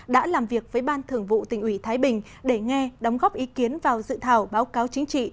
đã làm việc với ban thường vụ tỉnh ủy thái bình để nghe đóng góp ý kiến vào dự thảo báo cáo chính trị